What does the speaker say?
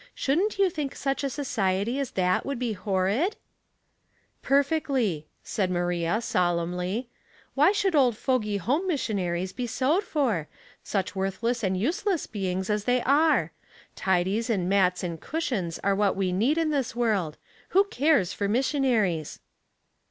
Shouldn't you think such a society as that would be horrid ?"" Perfectly," said Maria, solemnly. " Why 272 Household Puzzles, should old fogy home missionaries be sewed for, such worthless and useless beings as they are? Tidies and mats and cushions are what we need in this world. Who cares for mis sionaries